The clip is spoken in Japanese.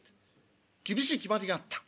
厳しい決まりがあった。